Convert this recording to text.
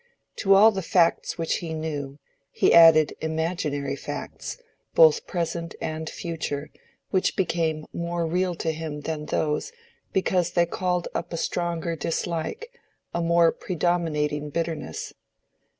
To all the facts which he knew, he added imaginary facts both present and future which became more real to him than those because they called up a stronger dislike, a more predominating bitterness.